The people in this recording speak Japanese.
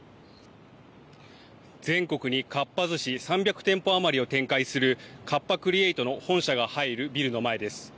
全国にかっぱ寿司３００店舗余りを展開するカッパ・クリエイトの本社が入るビルの前です。